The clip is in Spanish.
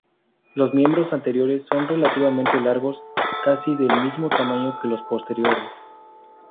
Los miembros anteriores son relativamente largos, casi del mismo tamaño que los posteriores.